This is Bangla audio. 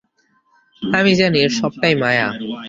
আমি জানি এর সবটাই মায়া।